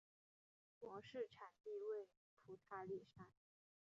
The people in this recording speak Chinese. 模式产地位于普塔里山。